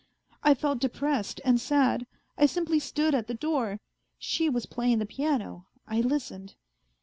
I felt depressed and sad. I simply stood at the door. She was playing the piano, I listened.